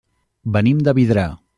Venim de Vidrà.